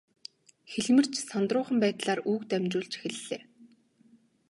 Хэлмэрч сандруухан байдлаар үг дамжуулж эхэллээ.